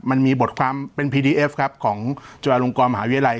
มันมีบทความเป็นพีดีเอฟครับของจุฬาลงกรมหาวิทยาลัย